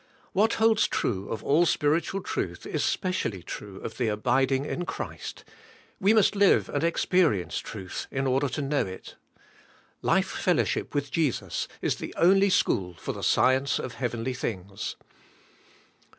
What holds true of all spiritual truth is specially true of the abiding in Christ : We must live and experience truth in order to know it. Life fellowship with Jesus is the only school for the science of heavenly things.